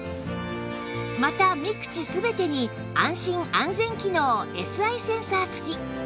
また３口全てに安心・安全機能 Ｓｉ センサー付き